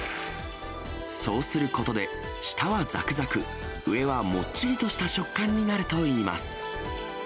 そうすることで、下はざくざく、上はもっちりとした食感になるといいます。